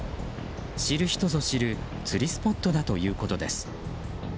知る人ぞ知る釣りスポットだということです。